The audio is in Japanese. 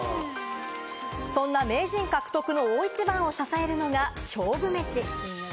そんな名人獲得の大一番を支えるのが勝負メシ。